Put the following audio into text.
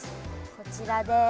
こちらです。